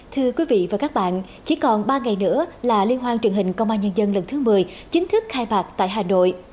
thưa quý vị và các bạn chỉ còn ba ngày nữa là liên hoan truyền hình công an nhân dân lần thứ một mươi chính thức khai mạc tại hà nội